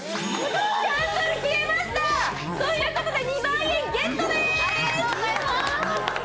キャンドル消えました、ということで２万円ゲットです。